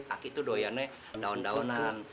aki itu doyannya daun daunan